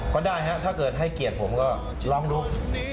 ก็ได้ฮะถ้าเกิดให้เกียรติผมก็ลองดู